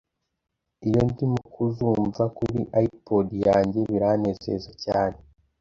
iyo ndimo kuzumva kuri iPod yanjye biranezeza cyane